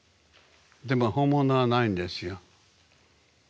でも本物はないんですよ。